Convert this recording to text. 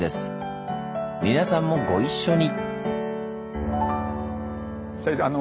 皆さんもご一緒に！